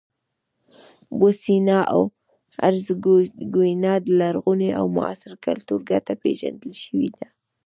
بوسنیا او هرزګوینا د لرغوني او معاصر کلتور ګډه پېژندل شوې ده.